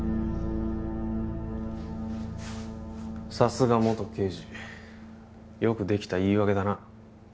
さすが元刑事よくできた言い訳だな